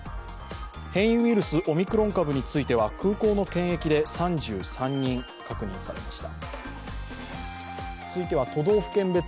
変異ウイルス、オミクロン株については空港の検疫で３３人確認されました。